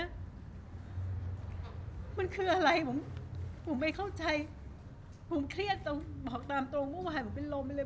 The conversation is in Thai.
มันคืออะไรผมไม่เข้าใจผมเครียดตรงว่าผมเป็นลมเลย